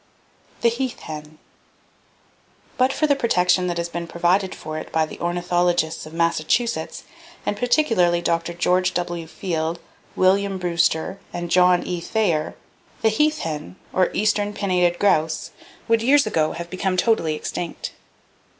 The Heath Hen. —But for the protection that has been provided for it by the ornithologists of Massachusetts, and particularly Dr. George W. Field, William Brewster and John E. Thayer, the heath hen or eastern pinnated grouse would years ago have become totally extinct.